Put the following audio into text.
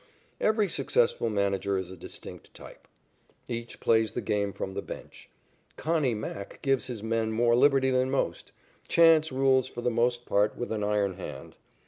Every successful manager is a distinct type. Each plays the game from the bench. "Connie" Mack gives his men more liberty than most. Chance rules for the most part with an iron hand.